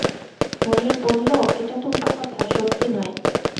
মুনির বলল, এটা তো উপকথা, সত্যি নয়।